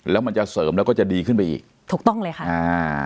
แล้วมันจะเสริมแล้วก็จะดีขึ้นไปอีกถูกต้องเลยค่ะอ่า